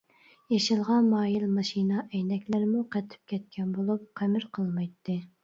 يېشىلغا مايىل ماشىنا ئەينەكلىرىمۇ قېتىپ كەتكەن بولۇپ، قىمىر قىلمايتتى.